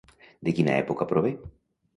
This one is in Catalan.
De quina època prové?